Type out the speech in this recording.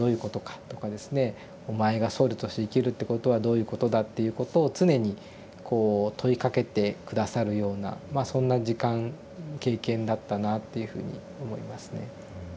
「お前が僧侶として生きるってことはどういうことだ」っていうことを常にこう問いかけて下さるようなまあそんな時間経験だったなっていうふうに思いますね。